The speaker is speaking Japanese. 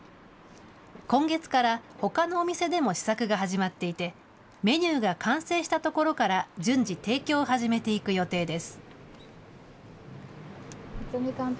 今月からほかのお店でも試作が始まっていて、メニューが完成したところから順次、提供を始めていく予定です。